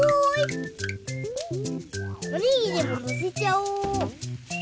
おにぎりものせちゃおう。